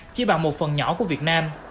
chỉ bằng một phần nhỏ của việt nam